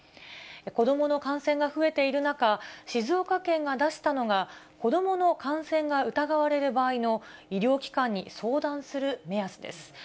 子どもの感染が増えている中、静岡県が出したのが、子どもの感染が疑われる場合の医療機関に相談する目安です。